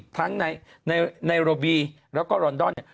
ทั้งในไนโรบีแล้วก็ลอนดอน